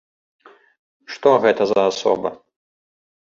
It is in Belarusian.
Што гэта за асоба?